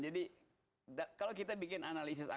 jadi kalau kita bikin analisis